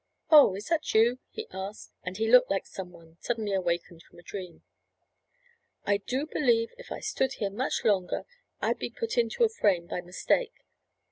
"Oh, is that you?" he asked, and he looked like some one suddenly awakened from a dream. "I do believe if I stood here much longer I'd be put into a frame by mistake.